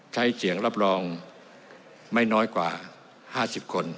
ใช้เสียงรับรองไม่น้อยกว่า๕๐คน